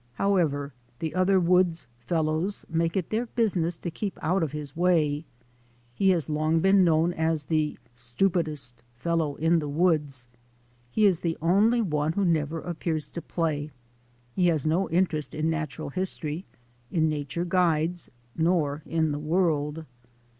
However, the other woods fellows make it their business to keep out of his way. He has long been known as "the stupidest fellow in the woods" : he is the only one who never appears to play, who has no interest in natural history, in nature guides, A DAY WITH A NATURE GUIDE 189 nor in the world.